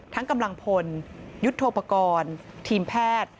กำลังพลยุทธโทปกรณ์ทีมแพทย์